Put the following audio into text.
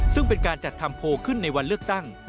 ซึ่งเป็นการจัดทำโพลขึ้นในวันเลือกตั้ง